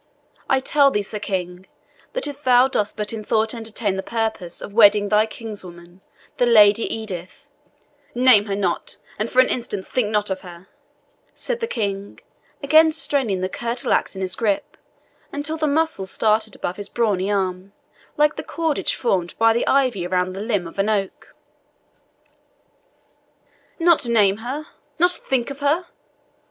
I tell thee, Sir King, that if thou dost but in thought entertain the purpose of wedding thy kinswoman, the Lady Edith " "Name her not and for an instant think not of her," said the King, again straining the curtal axe in his gripe, until the muscles started above his brawny arm, like cordage formed by the ivy around the limb of an oak. "Not name not think of her!"